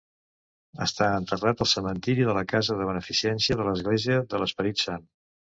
Està enterrat al cementiri de la casa de beneficència de l'Església de l'Esperit Sant.